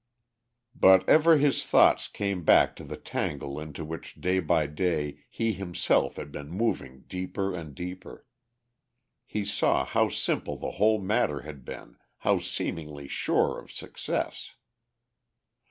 But ever his thoughts came back to the tangle into which day by day he himself had been moving deeper and deeper. He saw how simple the whole matter had been, how seemingly sure of success.